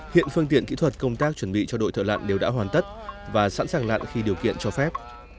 hiện phương tiện kỹ thuật công tác chuẩn bị cho đội thợ lặn đều đã hoàn tất và sẵn sàng lặn khi điều kiện cho phép